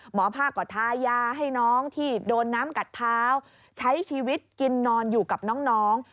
หมอผ้าก็ทายาให้น้องที่โดนน้ำกัดเท้าใช้ชีวิตกินนอนอยู่กับน้อง